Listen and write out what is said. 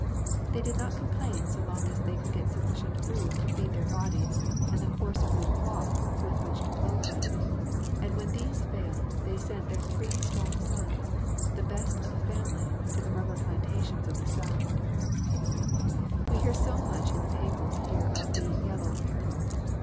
They did not complain so long as they could get sufficient food to feed their bodies and the coarse blue cloth with which to clothe them, and when these failed they sent their three strong sons, the best of the family, to the rubber plantations of the South. [Illustration: Mylady27.] We hear so much in the papers here of the "Yellow Peril."